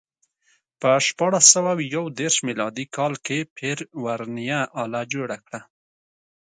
په شپاړس سوه یو دېرش میلادي کال کې پير ورنیه آله جوړه کړه.